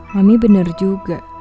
mami bener juga